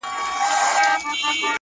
درناوی د انسان ښکلا ده